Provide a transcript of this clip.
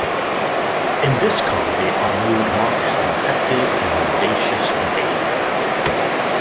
In this comedy Aanrud mocks at affected and mendacious behaviour.